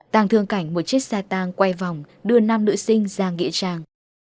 tàng thương cảnh một chiếc xe tàng quay vòng đưa năm nữ sinh ra nghịa trang